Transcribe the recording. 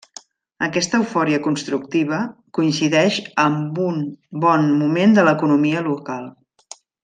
Aquesta eufòria constructiva coincideix amb un bon moment de l'economia local.